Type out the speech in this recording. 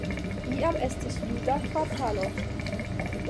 Iam estis juda kvartalo.